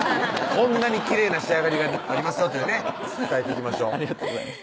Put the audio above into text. こんなにきれいな仕上がりになりますよというね伝えていきましょうありがとうございます